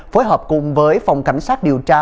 phối hợp cùng với phòng cảnh sát điều tra